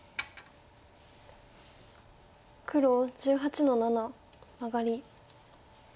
黒１８の七マガリ。